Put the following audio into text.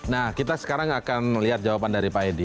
nah kita sekarang akan lihat jawaban dari pak edi